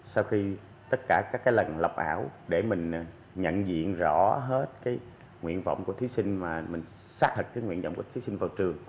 sau khi tất cả các cái lần lập ảo để mình nhận diện rõ hết cái nguyện vọng của thí sinh mà mình xác thực cái nguyện vọng của thí sinh vào trường